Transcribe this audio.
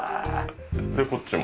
でこっちも。